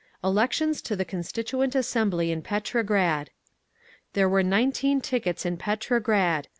ELECTIONS TO THE CONSTITUENT ASSEMBLY IN PETROGRAD There were nineteen tickets in Petrograd.